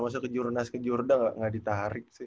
gak usah kejurnas kejurda gak ditarik sih